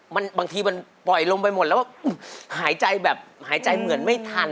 บางทีมันปล่อยลมไปหมดแล้วหายใจแบบหายใจเหมือนไม่ทัน